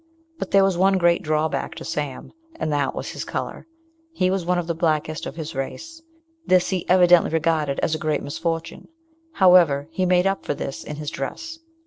But there was one great drawback to Sam, and that was his colour. He was one of the blackest of his race. This he evidently regarded as a great misfortune. However, he made up for this in his dress.